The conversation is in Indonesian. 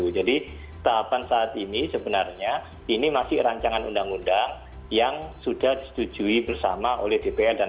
jadi tahapan saat ini sebenarnya ini masih rancangan undang undang yang sudah disetujui bersama oleh dpr dan presiden